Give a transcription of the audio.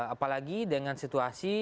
apalagi dengan situasi